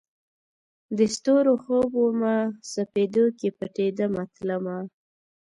د ستورو خوب ومه، سپیدو کې پټېدمه تلمه